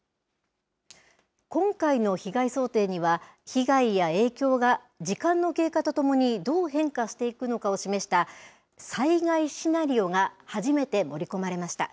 今回の被害想定には、被害や影響が時間の経過とともにどう変化していくのかを示した、災害シナリオが初めて盛り込まれました。